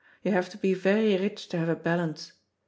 You have to be very rich to have a balance.